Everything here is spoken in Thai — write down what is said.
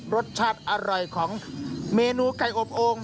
รสชาติอร่อยของเมนูไก่อบโอ่ง